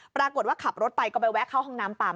ปรากฏว่าขับรถไปก็ไปแวะเข้าห้องน้ำปั๊ม